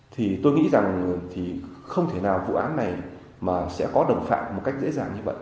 thì tôi nghĩ rằng thì không thể nào vụ án này mà sẽ có đồng phạm một cách dễ dàng như vậy